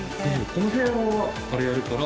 この部屋はあれやるから。